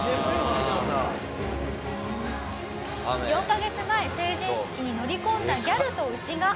４カ月前成人式に乗り込んだギャルと牛が。